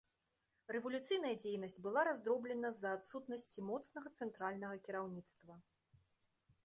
Рэвалюцыйная дзейнасць была раздроблена з-за адсутнасці моцнага цэнтральнага кіраўніцтва.